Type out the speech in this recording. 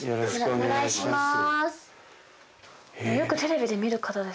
お願いします